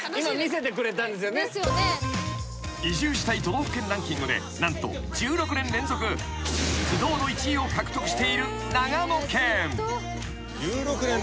［移住したい都道府県ランキングで何と１６年連続不動の１位を獲得している長野県］